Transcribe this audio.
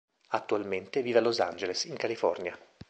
Attualmente vive a Los Angeles, in California.